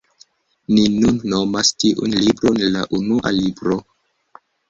Ni nun nomas tiun libron la Unua Libro.